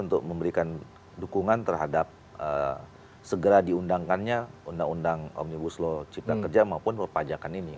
dan dukungan terhadap segera diundangkannya undang undang omnibus law cipta kerja maupun perpajakan ini